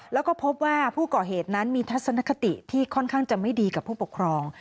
แล้วก็พบว่าผู้ก่อเหตุนั้นมีทัศนคติที่ค่อนข้างจะไม่ดีกับผู้ปกครอง